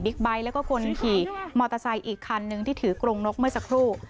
ไบท์แล้วก็คนขี่มอเตอร์ไซค์อีกคันนึงที่ถือกรงนกเมื่อสักครู่